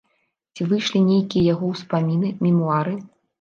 Ці выйшлі нейкія яго ўспаміны, мемуары?